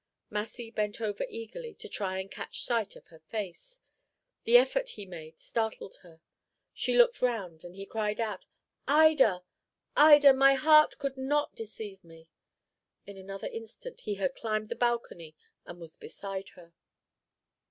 Massy bent over eagerly to try and catch sight of her face; the effort he made startled her, she looked round, and he cried out, "Ida Ida! My heart could not deceive me!" In another instant he had climbed the balcony and was beside her.